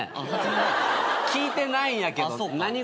聞いてないんやけど何事？